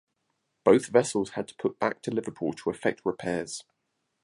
Both vessels had to put back to Liverpool to affect repairs.